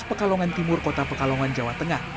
pekalongan timur kota pekalongan jawa tengah